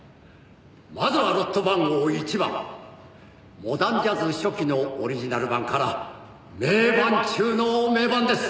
「まずはロット番号１番」「モダンジャズ初期のオリジナル盤から名盤中の名盤です」